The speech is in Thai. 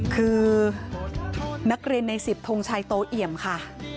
คือนักเรียนใน๑๐ทงชัยโตเอี่ยมค่ะ